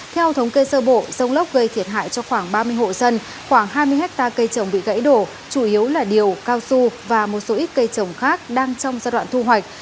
theo thống kê sơ bộ dông lốc gây thiệt hại cho khoảng ba mươi hộ dân khoảng hai mươi hectare cây trồng bị gãy đổ chủ yếu là điều cao su và một số ít cây trồng khác đang trong giai đoạn thu hoạch